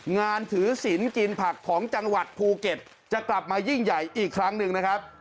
งานถือศิลป์กินผักของจังหวัดภูเก็ตจะกลับมายิ่งใหญ่อีกครั้งหนึ่งนะครับ